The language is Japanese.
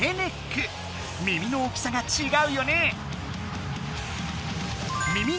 耳の大きさがちがうよね！